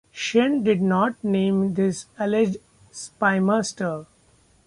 Chen did not name this alleged spymaster.